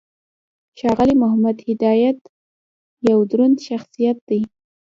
ښاغلی محمد هدایت یو دروند شخصیت دی.